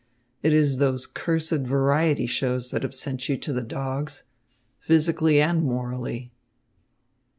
It is those cursed variety shows that have sent you to the dogs, physically and morally."